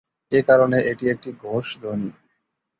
এ কারণে এটি একটি ঘোষ ধ্বনি।